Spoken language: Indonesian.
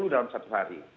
sepuluh dalam satu hari